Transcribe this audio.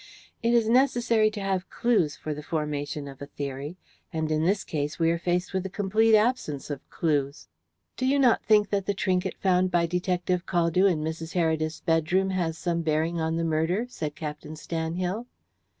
"It is necessary to have clues for the formation of a theory, and in this case we are faced with a complete absence of clues." "Do you not think that the trinket found by Detective Caldew in Mrs. Heredith's bedroom has some bearing on the murder?" said Captain Stanhill.